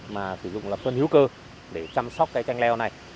mà sử dụng thuân hữu cơ để chăm sóc cây tranh leo này